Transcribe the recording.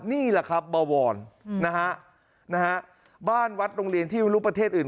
นี่แหละครับเบาวรอืมนะฮะนะฮะบ้านวัดโรงเรียนที่รูปประเทศอื่น